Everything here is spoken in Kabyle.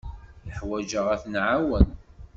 Yeḥwaj-aɣ ad t-nɛawen.